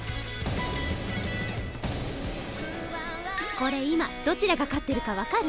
これ今どちらが勝ってるか分かる？